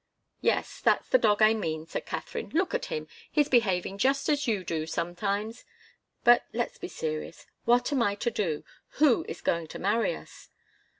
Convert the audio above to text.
"Yes that's the dog I mean," said Katharine. "Look at him he's behaving just as you do, sometimes. But let's be serious. What am I to do? Who is going to marry us?"